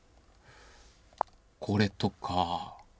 これとか。